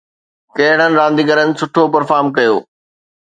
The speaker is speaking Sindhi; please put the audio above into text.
ڪهڙن رانديگرن سٺو پرفارم ڪيو؟